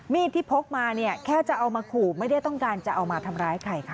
มีดที่พกมาเนี่ยแค่จะเอามาขู่ไม่ได้ต้องการจะเอามาทำร้ายใครค่ะ